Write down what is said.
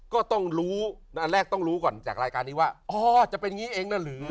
ก็ต้องรู้อันแรกต้องรู้ก่อนจากรายการนี้ว่าอ๋อจะเป็นอย่างนี้เองนะหรือ